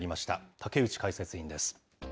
竹内解説委員です。